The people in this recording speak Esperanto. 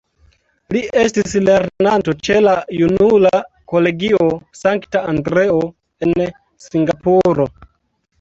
Li estis lernanto ĉe la Junula Kolegio Sankta Andreo en Singapuro.